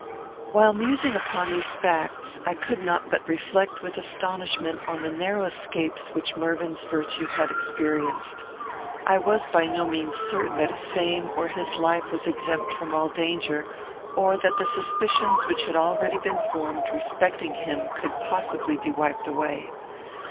While musing upon these facts, I could not but reflect with astonishment on the narrow escapes which Mervyn's virtue had experienced. I was by no means certain that his fame or his life was exempt from all danger, or that the suspicions which had already been formed respecting him could possibly be wiped away.